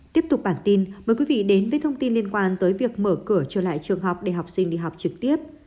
tiếp tục bản tin mời quý vị đến với thông tin liên quan tới việc mở cửa trở lại trường học để học sinh đi học trực tiếp